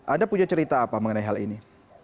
anda punya cerita apa mengenai hal ini